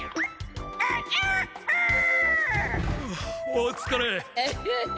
・おつかれ。